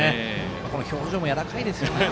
表情もやわらかいですよね。